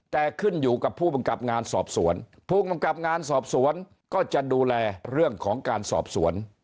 แต่ขึ้นอยู่กับผู้บังกับงานสอบสวนผู้กำกับงานสอบสวนก็จะดูแลเรื่องของการสอบสวน